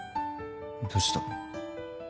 どうした？